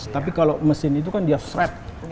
tapi kalau mesin itu kan dia stret